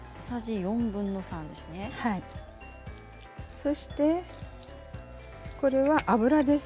そしてこれは油です。